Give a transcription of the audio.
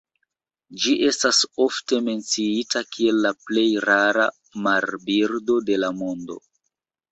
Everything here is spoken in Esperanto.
Ĝi estas ofte menciita kiel la plej rara marbirdo de la mondo.